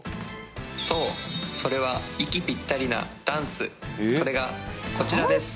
そうそれは息ピッタリなダンスそれがこちらです